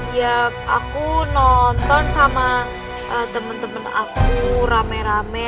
ya aku nonton sama temen temen aku rame rame